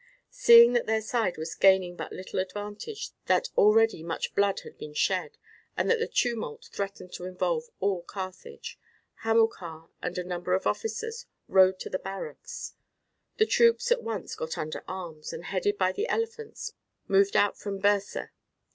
Seeing that their side was gaining but little advantage, that already much blood had been shed, and that the tumult threatened to involve all Carthage, Hamilcar and a number of officers rode to the barracks. The troops at once got under arms, and, headed by the elephants, moved out from Byrsa.